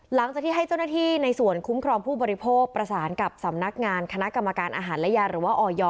หลังจากที่ให้เจ้าหน้าที่ในส่วนคุ้มครองผู้บริโภคประสานกับสำนักงานคณะกรรมการอาหารและยาหรือว่าออย